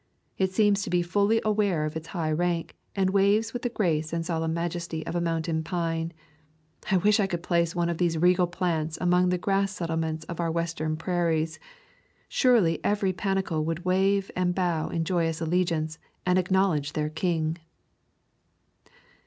It seems to be fully aware of its high rank, and waves with the grace and solemn majesty of a mountain pine. I wish I could place one of these regal plants among the grass settlements of our Western prairies. Surely every panicle would wave and bow in joyous allegiance and acknowledge their king.